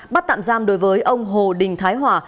bắt tạm giam đối với ông hồ đình thái hòa